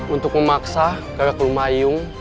untuk memaksa gagak lumayung